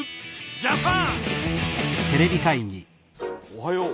おはよう。